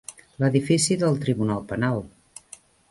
L'edifici del Tribunal Penal.